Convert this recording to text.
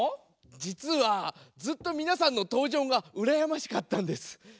じつはずっとみなさんのとうじょうがうらやましかったんです。